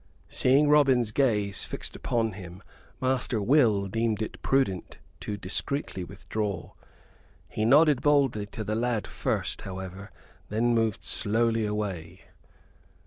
Seeing Robin's gaze fixed upon him, Master Will deemed it prudent to discreetly withdraw. He nodded boldly to the lad first, however; then moved slowly away.